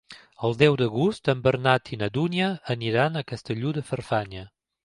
El deu d'agost en Bernat i na Dúnia aniran a Castelló de Farfanya.